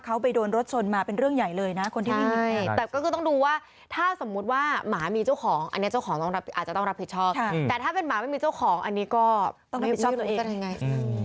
ก็ขอให้พี่เขารอดพ้นปลอดภัย